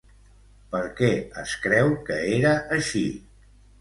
Per què es creu que era així?